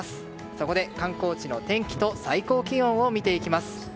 そこで、観光地の天気と最高気温を見ていきます。